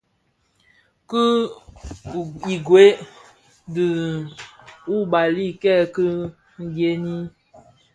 Ki ughèi di ubali kèki dheňi.